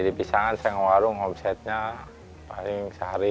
di pisangan saya warung omsetnya paling sehari tiga ratus